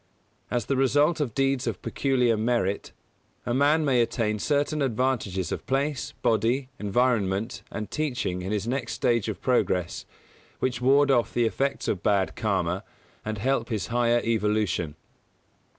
As the result of deeds of peculiar merit, a man may attain certain advantages of place, body, environment and teaching in his next stage of progress, which ward off the effects of bad Karma and help his higher evolution.